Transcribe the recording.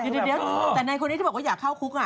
เดี๋ยวแต่ในคนนี้ที่บอกว่าอยากเข้าคุก